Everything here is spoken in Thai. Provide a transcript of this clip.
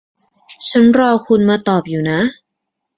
ฉันรอคุณมาตอบอยู่นะ